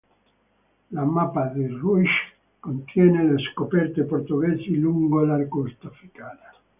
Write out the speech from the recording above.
La mappa di Ruysch contiene le scoperte portoghesi lungo la costa africana.